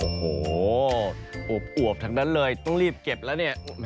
โอ้โหอวบทั้งนั้นเลยต้องรีบเก็บแล้วเนี่ย